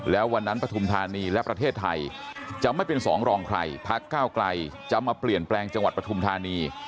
แล้ววันนั้นปฐุมธานีและประเทศไทยจะไม่เป็นสองรองใครพักก้าวไกลจะมาเปลี่ยนแปลงจังหวัดปฐุมธานี